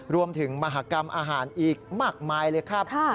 มหากรรมอาหารอีกมากมายเลยครับ